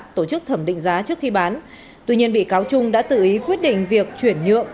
tổ chức thẩm định giá trước khi bán tuy nhiên bị cáo trung đã tự ý quyết định việc chuyển nhượng